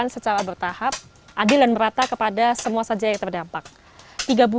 sehari gak mesti makan gitu